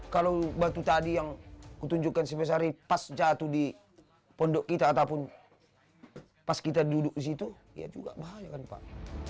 kalau batu tadi yang kutunjukkan sebesar ini pas jatuh di pondok kita ataupun pas kita duduk di situ ya juga bahaya kan pak